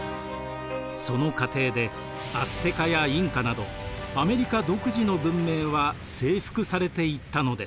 その過程でアステカやインカなどアメリカ独自の文明は征服されていったのです。